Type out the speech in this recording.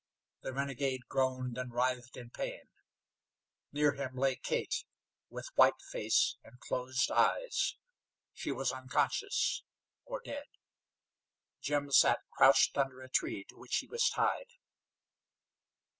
The renegade groaned and writhed in pain. Near him lay Kate, with white face and closed eyes. She was unconscious, or dead. Jim sat crouched under a tree to which he was tied.